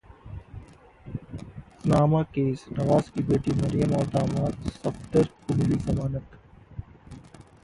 Panama case: Nawaz की बेटी मरियम और दामाद सफदर को मिली जमानत